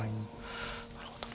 なるほど。